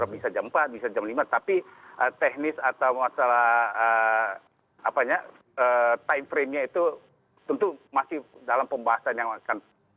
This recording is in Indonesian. bisa jam empat bisa jam lima tapi teknis atau masalah time frame nya itu tentu masih dalam pembahasan yang akan